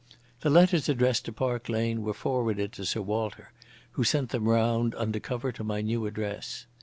The letters addressed to Park Lane were forwarded to Sir Walter, who sent them round under cover to my new address.